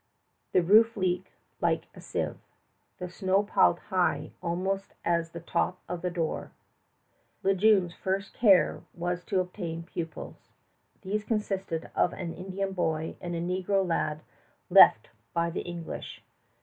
The roof leaked like a sieve. The snow piled high almost as the top of the door. Le Jeune's first care was to obtain pupils. These consisted of an Indian boy and a negro lad left by the English.